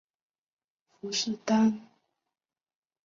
傅氏单极虫为单极科单极虫属的动物。